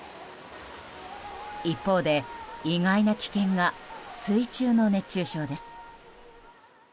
一方で、意外な危険が水中の熱中症です。